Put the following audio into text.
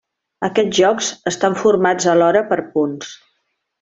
Aquests jocs estan formats alhora per punts.